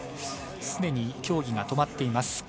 すでに競技が止まっています。